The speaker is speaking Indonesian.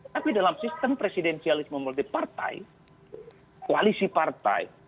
tapi dalam sistem presidensialisme multipartai kualisi partai